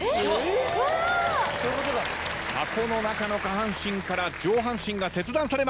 箱の中の下半身から上半身が切断されました。